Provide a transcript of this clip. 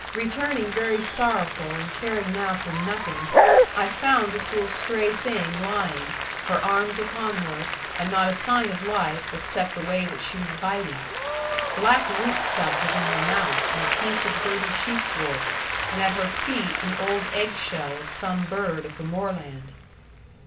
Returning very sorrowful, and caring now for nothing, I found this little stray thing lying, her arms upon her, and not a sign of life, except the way that she was biting. Black root stuff was in her mouth, and a piece of dirty sheep's wool, and at her feet an old egg shell of some bird of the moorland.